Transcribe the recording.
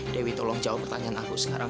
dewi tolong jawab pertanyaan aku sekarang